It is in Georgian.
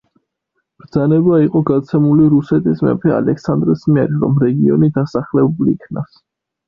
ბრძანება იყო გაცემული რუსეთის მეფე ალექსანდრეს მიერ, რომ რეგიონი დასახლებულ იქნას.